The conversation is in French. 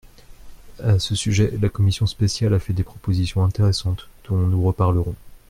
À ce sujet, la commission spéciale a fait des propositions intéressantes, dont nous reparlerons.